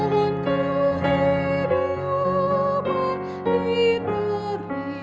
di atas bukit syurga